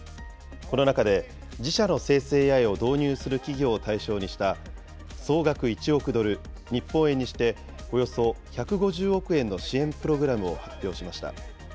この中で自社の生成ＡＩを導入する企業を対象にした、総額１億ドル、日本円にしておよそ１５０億円の支援プログラムを発表しました。